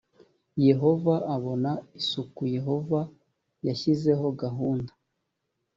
yehova abona isuku yehova yashyizeho gahunda